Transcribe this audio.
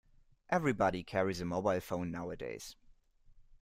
Everybody carries a mobile phone nowadays